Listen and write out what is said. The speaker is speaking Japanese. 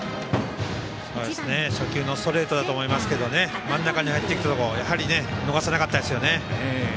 初球のストレートだと思いますが真ん中に入ってきたところ逃さなかったですね。